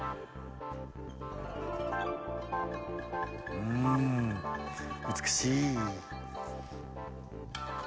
うん難しい。